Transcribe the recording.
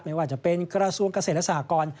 ไม่ว่าจะเป็นกระทรวงเกษตรและสหกร